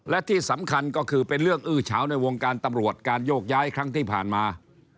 และที่สำคัญก็คือเป็นเรื่องอื้อเฉาในวงการตำรวจการโยกย้ายครั้งที่ผ่านมา